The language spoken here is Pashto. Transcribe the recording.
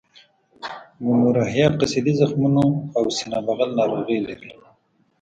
ګونورهیا قصدي زخمونو او سینه بغل ناروغۍ لري.